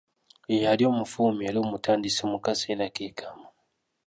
Ye yali omufulumya era omutandisi mu kaseera ke kamu.